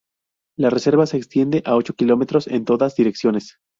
La reserva se extiende a ocho kilómetros en todas direcciones.